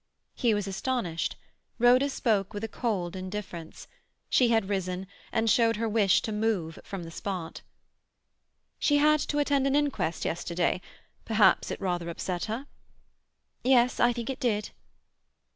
He was astonished. Rhoda spoke with a cold indifference. She had risen, and showed her wish to move from the spot. "She had to attend an inquest yesterday. Perhaps it rather upset her?" "Yes, I think it did."